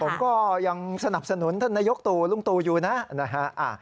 ผมก็ยังสนับสนุนท่านนายกตู่ลุงตู่อยู่นะนะฮะ